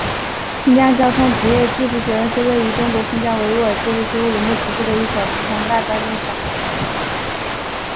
新疆交通职业技术学院是位于中国新疆维吾尔自治区乌鲁木齐市的一所普通大专院校。